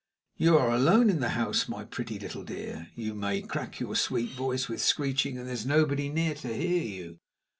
"You are alone in the house, my pretty little dear. You may crack your sweet voice with screeching, and there's nobody near to hear you.